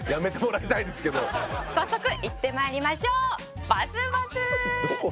早速いって参りましょう。